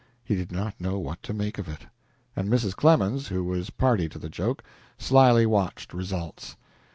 He did not know what to make of it, and Mrs. Clemens, who was party to the joke, slyly watched results.